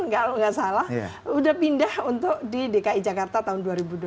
dia juga belum selesai baru satu dua tahun kalau nggak salah udah pindah untuk di dki jakarta tahun dua ribu dua belas